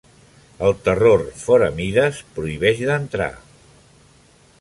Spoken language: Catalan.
El terror fora mides prohibeix d'entrar.